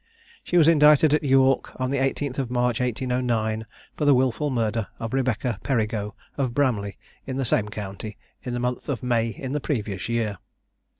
She was indicted at York on the 18th of March 1809, for the wilful murder of Rebecca Perigo, of Bramley, in the same county, in the month of May in the previous year.